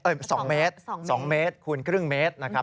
เอ่ยสองเมตรสองเมตรคูณครึ่งเมตรนะครับ